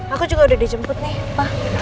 aku juga udah dijemput nih pak